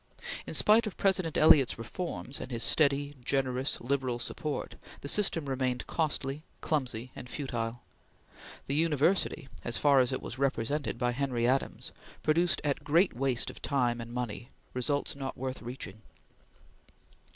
In spite of President Eliot's reforms and his steady, generous, liberal support, the system remained costly, clumsy and futile. The university as far as it was represented by Henry Adams produced at great waste of time and money results not worth reaching.